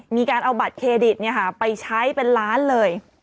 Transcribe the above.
มีการเอาบัตรเครดิตไปใช้เป็นล้านเลย